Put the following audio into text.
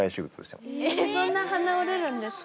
えっそんな鼻折れるんですか？